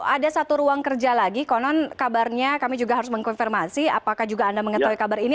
ada satu ruang kerja lagi konon kabarnya kami juga harus mengkonfirmasi apakah juga anda mengetahui kabar ini